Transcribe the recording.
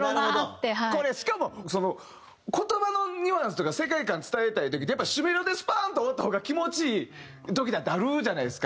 これしかもその言葉のニュアンスというか世界観伝えたい時ってやっぱ主メロでスパーンと終わった方が気持ちいい時だってあるじゃないですか。